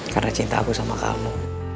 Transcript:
karena cinta aku sama kamu